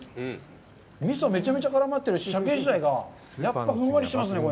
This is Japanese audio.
味噌、めちゃめちゃ絡まってるし、鮭自体がふんわりしてますね。